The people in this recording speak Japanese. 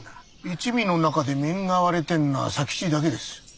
一味の中で面が割れてんのは佐吉だけです。